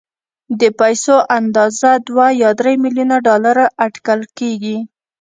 د پيسو اندازه دوه يا درې ميليونه ډالر اټکل کېږي.